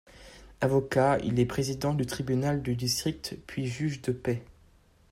Avocat, il est président du tribunal de district puis juge de paix.